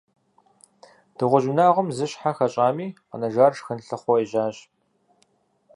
Дыгъужь унагъуэм зы щхьэ хэщӀами, къэнэжахэр шхын лъыхъуэ ежьащ.